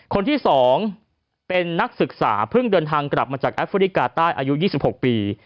คนที่๒เป็นนักศึกษาเพิ่งเดินทางกลับมาจากแอฟริกาใต้อายุ๒๖ปี